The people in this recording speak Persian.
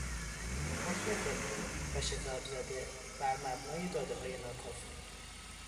حکم کلی و شتابزده بر مبنای دادههای ناکافی